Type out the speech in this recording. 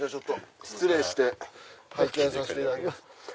失礼して拝見させていただきます。